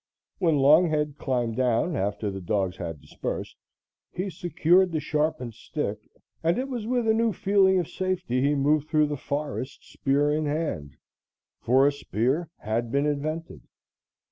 When Longhead climbed down, after the dogs had dispersed, he secured the sharpened stick, and it was with a new feeling of safety he moved through the forest, spear in hand; for a spear had been invented.